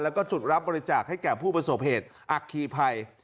แล้วก็จุดรับบริจาคให้แก่ผู้ประสบเหตุอัคคีภัย